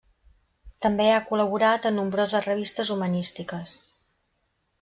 També ha col·laborat en nombroses revistes humanístiques.